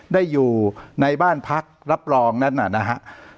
ได้อยู่ในบ้านพักรับรองนั้นนะฮะ